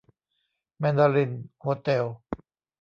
แมนดารินโฮเต็ล